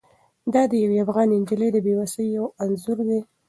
دا د یوې افغانې نجلۍ د بې وسۍ یو انځور دی.